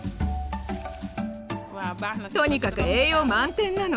とにかく栄養満点なの。